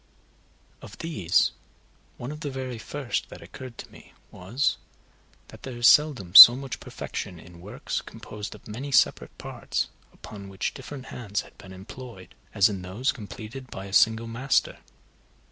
Of these one of the very first that occurred to me was, that there is seldom so much perfection in works composed of many separate parts, upon which different hands had been employed, as in those completed by a single master.